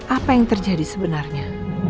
apa yang terjadi sebenarnya